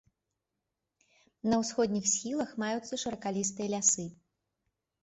На ўсходніх схілах маюцца шыракалістыя лясы.